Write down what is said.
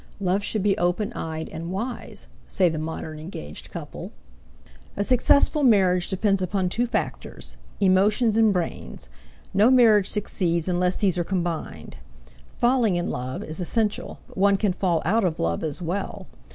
"Love should be open eyed and wise," say the modern engaged couple. A successful marriage depends upon two factors emotions and brains; no marriage succeeds unless these are combined. "Falling in love" is essential, but one can fall out of love as well.